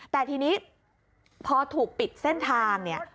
แต่ทีนี้พอถูกปิดเส้นทางเนี่ย